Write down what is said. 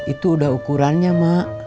itu udah ukurannya mak